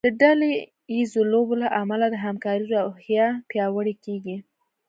د ډله ییزو لوبو له امله د همکارۍ روحیه پیاوړې کیږي.